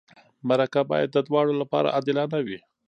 مرکه باید د دواړو لپاره عادلانه وي.